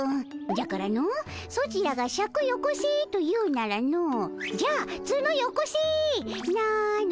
じゃからのソチらが「シャクよこせ」と言うならの「じゃあツノよこせ」なのじゃ。